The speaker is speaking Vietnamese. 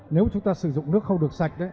nếu chúng ta sử dụng nước không được sạch